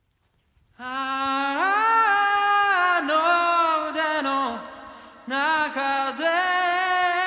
「あの腕の中で」